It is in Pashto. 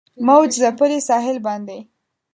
موج ځپلي ساحل باندې